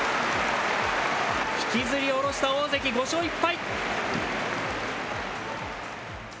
引きずりおろした大関、５勝１敗。